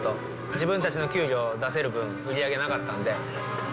自分たちの給料出せる分、売り上げがなかったんで。